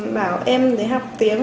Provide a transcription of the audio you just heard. bảo em để học tiếng